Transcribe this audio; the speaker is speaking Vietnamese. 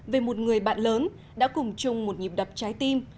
về một người bạn lớn đã cùng chung một nhịp đập trái tim